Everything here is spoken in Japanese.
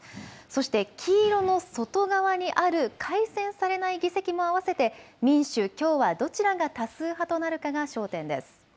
そして黄色の外側にある改選されない議席も合わせて民主、共和どちらが多数派となるかが焦点です。